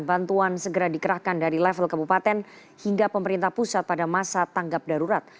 bantuan segera dikerahkan dari level kabupaten hingga pemerintah pusat pada masa tanggap darurat